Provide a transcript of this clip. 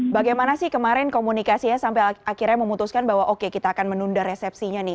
bagaimana sih kemarin komunikasinya sampai akhirnya memutuskan bahwa oke kita akan menunda resepsinya nih